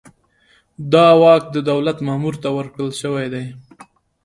دا واک د دولت مامور ته ورکړل شوی دی.